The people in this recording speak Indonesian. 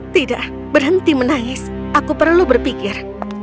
tidak berhenti menangis aku perlu berpikir